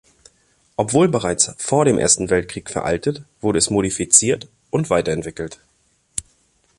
Obwohl bereits vor dem Ersten Weltkrieg veraltet, wurde es modifiziert und weiterentwickelt.